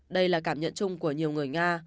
đây là cảm nhận chung của nhiều người nga